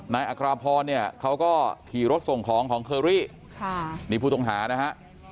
นายอักษรพรเขาก็ขี่รถส่งของของเคอรี่นี่ผู้ตรงหานะฮะ